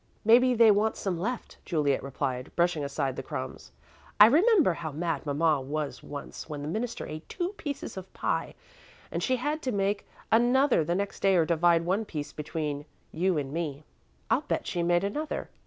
"Maybe they want some left," Juliet replied, brushing aside the crumbs. "I remember how mad Mamma was once when the minister ate two pieces of pie and she had to make another the next day or divide one piece between you and me." "I'll bet she made another.